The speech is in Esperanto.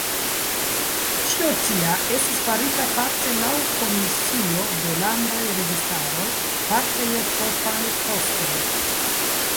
Ĉio tia estis farita parte laŭ komisio de landaj registaroj parte je propraj kostoj.